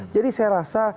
jadi saya rasa